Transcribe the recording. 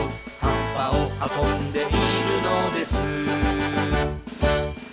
「葉っぱを運んでいるのです」